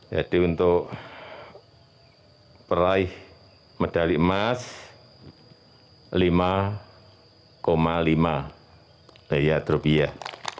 jadi untuk peraih medali emas lima lima beriat rupiah